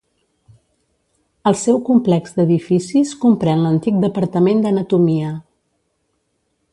El seu complex d'edificis comprèn l'antic Departament d'Anatomia.